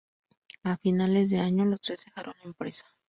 A finales de año, los tres dejaron la empresa.